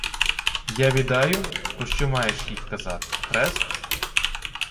— Я відаю, про що маєш хіть казати: хрест?